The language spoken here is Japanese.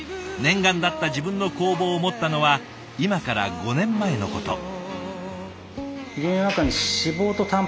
念願だった自分の工房を持ったのは今から５年前のこと。